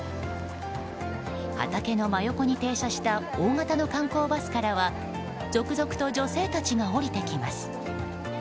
畑の真横に停車した大型の観光バスからは続々と女性たちが降りてきます。